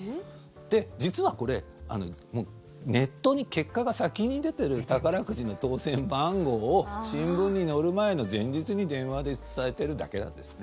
実は、これネットに結果が先に出てる宝くじの当選番号を新聞に載る前の前日に電話で伝えてるだけなんですね。